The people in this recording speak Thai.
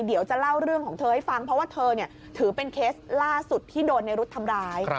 เดี๋ยวจะเล่าเรื่องของเธอให้ฟังเพราะว่าเธอถือเป็นเคสล่าสุดที่โดนในรุ๊ดทำร้าย